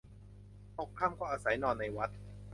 ตกค่ำก็อาศัยนอนในวัด